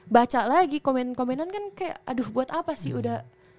baca lagi komen komenan kan kayak aduh buat apa sih udah